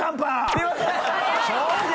すいません！